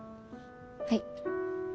はい。